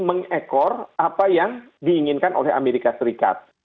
mengekor apa yang diinginkan oleh amerika serikat